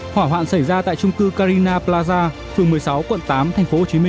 hỏa hoạn xảy ra tại trung cư carina plaza phường một mươi sáu quận tám tp hcm